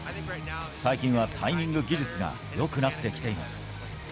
最近はタイミング技術がよくなってきています。